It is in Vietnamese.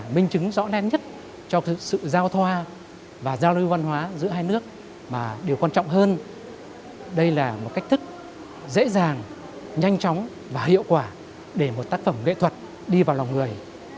một cách thức dễ dàng nhanh chóng và hiệu quả để một tác phẩm nghệ thuật đi vào lòng người